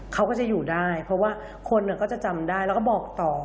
เขาก็จะอยู่ได้เพราะว่าคนก็จะจำได้แล้วก็บอกต่อ